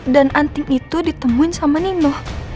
dan anting itu ditemuin sama nino